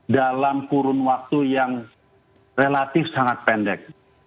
dalam kurun waktu yang relatif sangat pendek